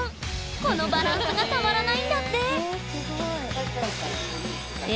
このバランスがたまらないんだって！